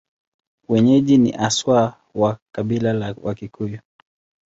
Wenyeji ni haswa wa kabila la Wakikuyu.